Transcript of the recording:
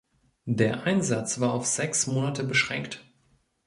Der Einsatz war auf sechs Monate beschränkt.